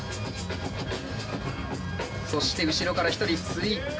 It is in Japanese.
そして後ろから１人追加。